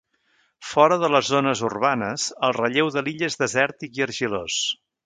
Fora de les zones urbanes, el relleu de l'illa és desèrtic i argilós.